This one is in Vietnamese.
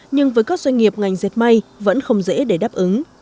nhưng với các doanh nghiệp ngành dệt may vẫn không dễ để đáp ứng